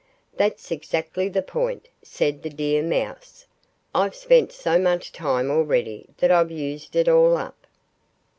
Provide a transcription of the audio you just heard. "That's exactly the point," said the deer mouse. "I've spent so much time already that I've used it all up."